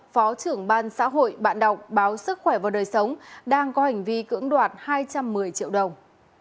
phó trưởng ban xã hội bạn đọc báo sức khỏe và đời sống đang có hành vi cưỡng đoạt hai trăm một mươi triệu đồng